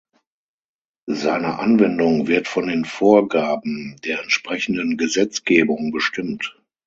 Seine Anwendung wird von den Vorgaben der entsprechenden Gesetzgebung bestimmt.